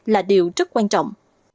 là điều rất quan trọng